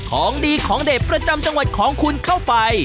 ของดีของเด็ดประจำจังหวัดของคุณเข้าไป